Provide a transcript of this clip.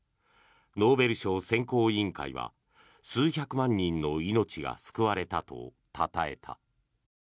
ノーベル賞選考委員会は数百万人の命が救われたとたたえた。